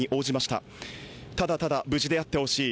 ただただ無事であってほしい。